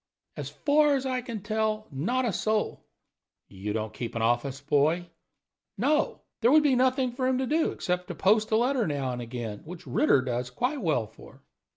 "As far as I can tell, not a soul." "You don't keep an office boy?" "No. There would be nothing for him to do except to post a letter now and again, which Ritter does quite well for."